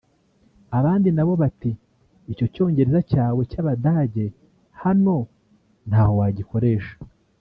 Abandi nabo bati icyo cyongereza cyawe cy’Abadage hano ntaho wagikoresha